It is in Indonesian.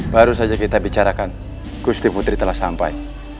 baru saja kita bicarakan gusti putri telah sampai